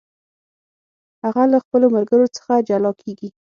هغه له خپلو ملګرو څخه جلا کیږي.